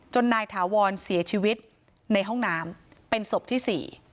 นายถาวรเสียชีวิตในห้องน้ำเป็นศพที่๔